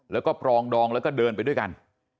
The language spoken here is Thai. แล้วก็ปรองดองแล้วก็เดินไปด้วยกัน